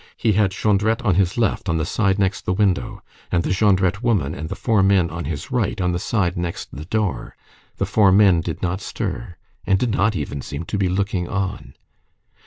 He had Jondrette on his left, on the side next the window, and the Jondrette woman and the four men on his right, on the side next the door. The four men did not stir, and did not even seem to be looking on.